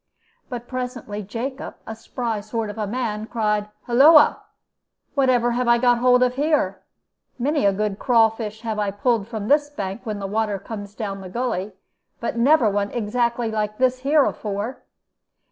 But presently Jacob, a spry sort of man, cried, 'Hulloa! whatever have I got hold of here? Many a good craw fish have I pulled out from this bank when the water comes down the gully, but never one exactly like this here afore.'